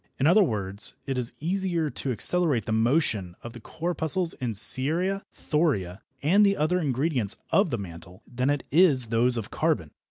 In other words, it is easier to accelerate the motion of the corpuscles in ceria, thoria and the other ingredients of the mantle, than it is those of carbon.